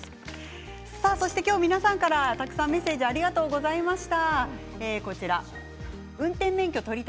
皆さんから、たくさんメッセージありがとうございました。